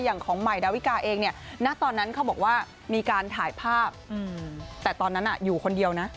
ของใหม่ดาวิกาเองเนี่ยณตอนนั้นเขาบอกว่ามีการถ่ายภาพแต่ตอนนั้นอยู่คนเดียวนะ